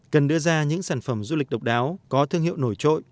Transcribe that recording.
cần đưa ra những sản phẩm du lịch độc đáo có thương hiệu nổi trội